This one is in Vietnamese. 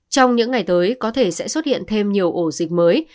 trong những ngày tới có thể sẽ xuất hiện thêm nhiều ổ dịch mới